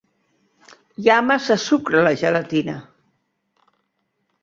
Hi ha massa sucre a la gelatina.